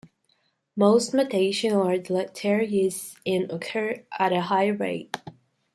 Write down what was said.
Most mutations are deleterious, and occur at a high rate.